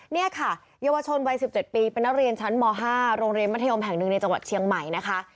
นี่ค่ะเยาวชนวัย๑๗ปีเป็นนักเรียนชั้นม๕โรงเรียนมัธยมแห่งหนึ่งในจังหวัดเชียงใหม่นะคะ